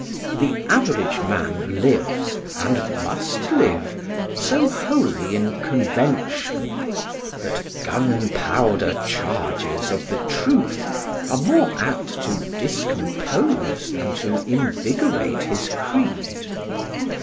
The average man lives, and must live, so wholly in convention, that gun powder charges of the truth are more apt to discompose than to invigorate his creed.